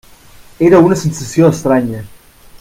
Era una sensació estranya.